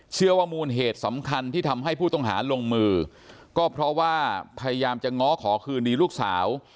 เชื่อว่ามูลเหตุสำคัญที่ทำให้ผู้ต้องหาลงมือก็เพราะว่าพยายามจะง้อขอคืนดีลูกสาว